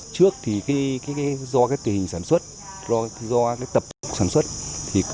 trước thì do tình hình sản xuất do tập sản xuất